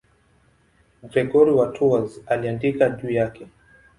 Gregori wa Tours aliandika juu yake.